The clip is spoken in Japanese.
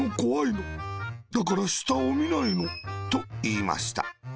だから、したをみないの。」といいました。